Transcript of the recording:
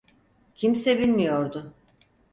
Kimse bilmiyordu.